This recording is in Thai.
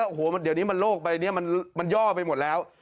โอ้โหเดี๋ยวนี้มันโลกใบนี้มันย่อไปหมดแล้ว